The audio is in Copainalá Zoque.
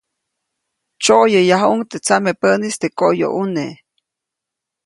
Tsyoʼyäyajuʼuŋ teʼ tsamepäʼnis teʼ koʼyoʼune.